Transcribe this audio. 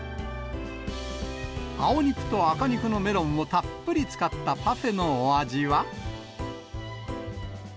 青肉と赤肉のメロンをたっぷり使ったパフェのお味は？